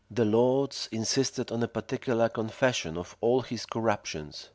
The lords insisted on a particular confession of all his corruptions.